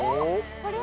これ？